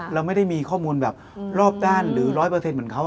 เราไม่ได้มีข้อมูลแบบรอบด้านหรือ๑๐๐เหมือนเขา